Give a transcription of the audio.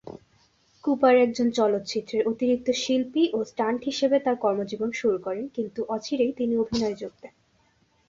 Cooper একজন চলচ্চিত্রের অতিরিক্ত শিল্পী ও স্টান্ট হিসেবে তার কর্মজীবন শুরু করেন, কিন্তু অচিরেই তিনি অভিনয়ে যোগ দেন।